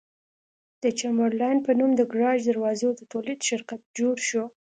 د چمبرلاین په نوم د ګراج دروازو د تولید شرکت جوړ شو.